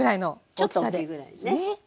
ちょっと大きいぐらいですね。